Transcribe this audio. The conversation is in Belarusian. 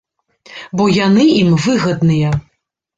Бо яны ім выгадныя.